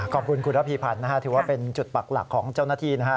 ขอบคุณคุณระพีพันธ์นะฮะถือว่าเป็นจุดปักหลักของเจ้าหน้าที่นะฮะ